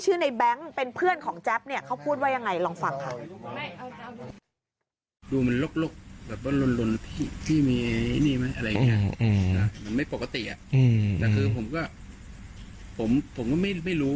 มันไม่ปกติแต่คือผมก็ไม่รู้